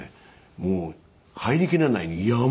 もう入りきらない山。